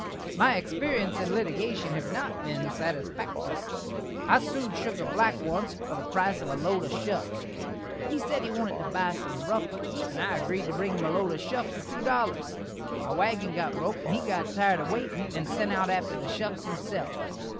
My xperience in litigashun hav not been satisfaktory. I sued Sugar Black onst for the price of a lode of shuks. He sed he wanted to buy sum ruffness, and I agreed to bring him a lode of shuks for two dollers. My waggin got broke and he got tired a waitin', and sent out atter the shuks himself.